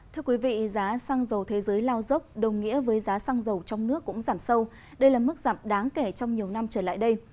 thưa quý vị giá xăng dầu thế giới lao dốc đồng nghĩa với giá xăng dầu trong nước cũng giảm sâu đây là mức giảm đáng kể trong nhiều năm trở lại đây